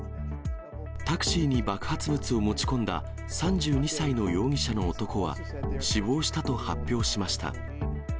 タクシーに爆発物を持ち込んだ３２歳の容疑者の男は死亡したと発表しました。